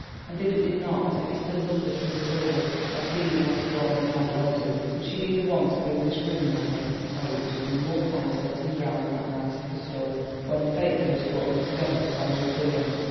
And if it did not—if he still loved her through it all—as, being what he was, he well might do—could she be the one to bring this ruin on him? Oh, it would have been more kind to let him drown on that night of the storm, when fate first brought them together to their undoing.